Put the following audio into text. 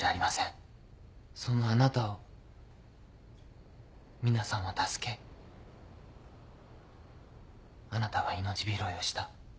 そんなあなたをミナさんは助けあなたは命拾いをした。